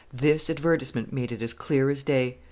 This advertisement made it as clear as day.